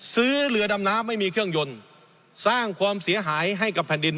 ซื้อเรือดำน้ำไม่มีเครื่องยนต์สร้างความเสียหายให้กับแผ่นดิน